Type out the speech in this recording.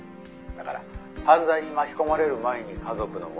「だから犯罪に巻き込まれる前に家族の元に戻す」